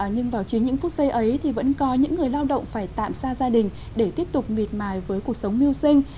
nhưng vào chính những phút giây ấy thì vẫn có những người lao động phải tạm xa gia đình để tiếp tục miệt mài với cuộc sống mưu sinh